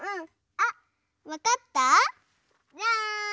あわかった？じゃん！